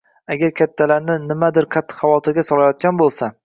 Agar kattalarni nimadir qattiq xavotirga solayotgan bo‘lsa